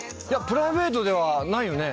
プライベートではないよね？